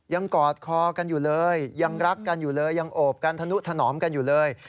กอดคอกันอยู่เลยยังรักกันอยู่เลยยังโอบกันธนุถนอมกันอยู่เลย